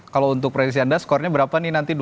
kalau untuk proyeksi anda skornya berapa nih nanti